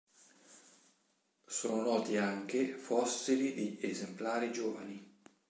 Sono noti anche fossili di esemplari giovani.